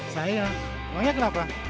saya banyak lah pak